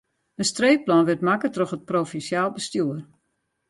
In streekplan wurdt makke troch it provinsjaal bestjoer.